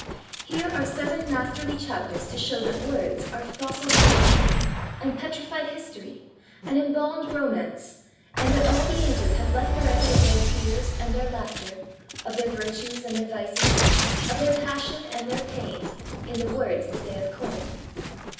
Here are seven masterly chapters to show that words are fossil poetry, and petrified history, and embalmed romance, and that all the ages have left the record of their tears and their laughter, of their virtues and their vices, of their passion and their pain, in the words that they have coined.